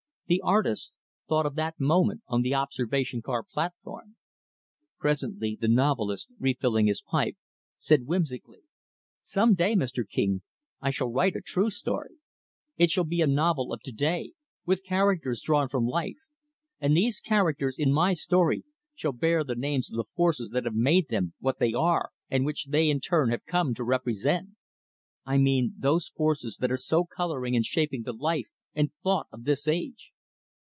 The artist thought of that moment on the observation car platform. Presently, the novelist refilling his pipe said whimsically, "Some day, Mr. King, I shall write a true story. It shall be a novel of to day, with characters drawn from life; and these characters, in my story, shall bear the names of the forces that have made them what they are and which they, in turn, have come to represent. I mean those forces that are so coloring and shaping the life and thought of this age."